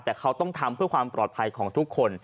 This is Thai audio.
แต่เขาต้องทำเพื่อความปลอดภัยของทุกคน